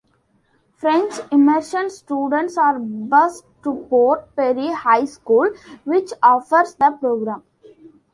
French Immersion students are bused to Port Perry High School, which offers the program.